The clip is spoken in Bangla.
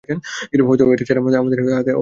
হয়তো এটা ছাড়া আমাদের হাতে আর কোনো পথ নেই।